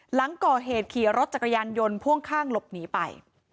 หลังก่อเหตุขี่รถจักรยานยนต์พ่วงข้างหลบหนีไป